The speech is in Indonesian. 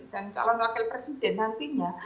dan calon wakil presiden nantinya